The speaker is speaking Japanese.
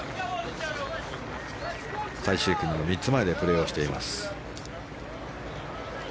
最終組の３つ前でプレーをしています。